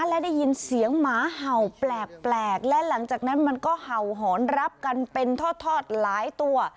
และได้ยินเสียงหมาเห่าแปลกและหลังจากนั้นมันก็เห่าหอนรับกันเป็นทอดหลายตัว